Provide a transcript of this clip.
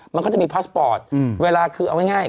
มันก็จะมีพาสปอร์ตเวลาคือเอาง่าย